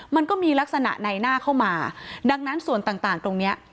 มันก็มีลักษณะในหน้าเข้ามาดังนั้นส่วนต่างตรงเนี้ย